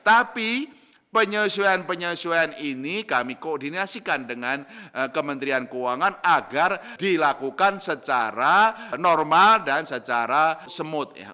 tapi penyesuaian penyesuaian ini kami koordinasikan dengan kementerian keuangan agar dilakukan secara normal dan secara semut